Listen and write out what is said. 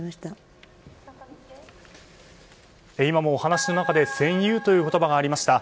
今お話の中で戦友という言葉がありました。